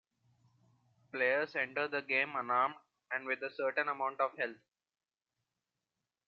Players enter the game unarmed and with a certain amount of health.